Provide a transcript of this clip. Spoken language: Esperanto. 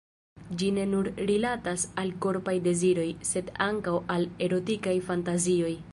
Ĝi ne nur rilatas al korpaj deziroj, sed ankaŭ al erotikaj fantazioj.